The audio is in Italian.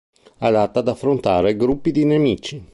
Adatta ad affrontare gruppi di nemici.